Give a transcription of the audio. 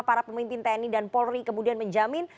para pemimpin tni dan polri kemudian menjamin